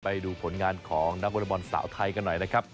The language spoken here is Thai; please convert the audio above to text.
ไปดูผลงานของนักวอเล็กบอลสาวไทยกันหน่อยนะครับ